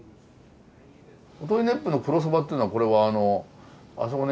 音威子府の黒そばっていうのはこれはあのあそこの駅で出してる。